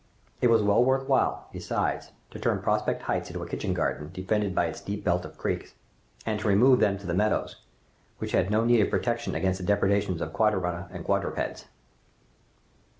It was well worth while, besides, to turn Prospect Heights into a kitchen garden, defended by its deep belt of creeks, and to remove them to the meadows, which had no need of protection against the depredations of quadrumana and quadrapeds.